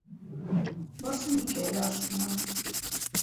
Барсынбикә лә ашыҡманы.